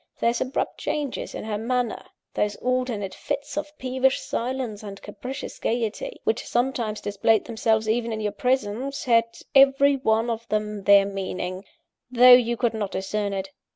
Those abrupt changes in her manner, those alternate fits of peevish silence and capricious gaiety, which sometimes displayed themselves even in your presence, had every one of them their meaning though you could not discern it.